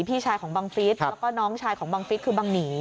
พี่ชายของบังฟิศแล้วก็น้องชายของบังฟิศคือบังหนี